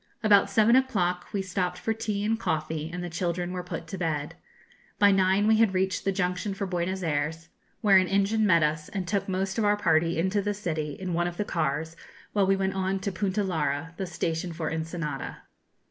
About seven o'clock we stopped for tea and coffee, and the children were put to bed. By nine we had reached the junction for Buenos Ayres, where an engine met us, and took most of our party into the city, in one of the cars, while we went on to Punta Lara, the station for Ensenada.